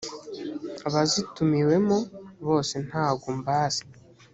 abazitumiwemo bose ntago mbazi.